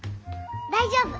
大丈夫。